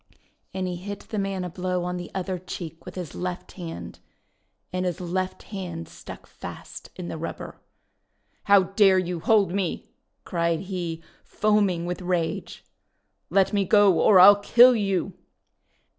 And he hit the man a blow on the other cheek with his left hand. And his left hand stuck fast in the rubber. :*How dare you hold me!' cried he, foaming with rage. :' Let me go or I '11 kill you